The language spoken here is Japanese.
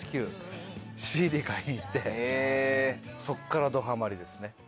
そっからドハマりですね。